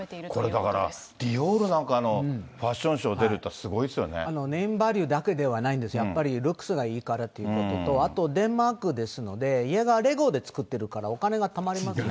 これ、だからディオールなんかのファッションショー出るっていうのはすネームバリューだけじゃないんですよ、やっぱりルックスがいいからということと、あとデンマークですので、家がレゴで作ってるから、お金がたまりますので。